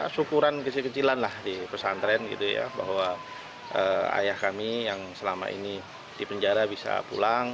syukuran kecil kecilan lah di pesantren gitu ya bahwa ayah kami yang selama ini di penjara bisa pulang